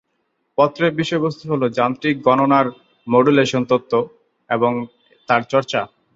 পত্রের বিষয়বস্তু হলো "যান্ত্রিক গণনার মডুলেশন তত্ত্ব এবং তার চর্চা।"